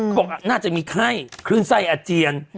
คงน่าจะมีไข้คลื่นไส้อาเจียน